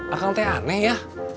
akang teh aneh ya